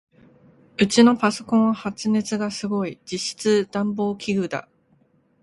ウチのパソコンは発熱がすごい。実質暖房器具だ。